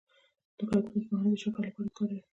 د کاکتوس پاڼې د شکر لپاره وکاروئ